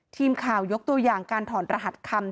ทีมข่าวยกตัวอย่างการถอนรหัสคำ